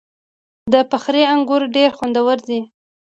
د فخری انګور ډیر خوندور دي.